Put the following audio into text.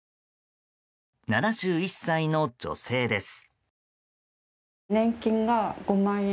７１歳の女性です。